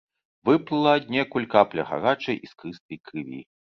Выплыла аднекуль капля гарачай іскрыстай крыві.